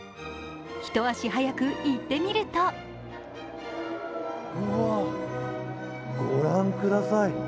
一足早く行ってみるとうわぁ、御覧ください。